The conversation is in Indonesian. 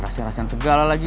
rahasia segala lagi